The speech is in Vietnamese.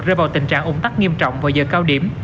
rơi vào tình trạng ổn tắc nghiêm trọng và giờ cao điểm